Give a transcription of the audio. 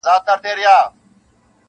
نن جهاني بل غزل ستا په نامه ولیکل -